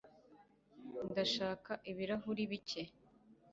ndashaka ibirahuri bike